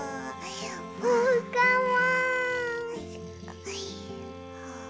おうかも。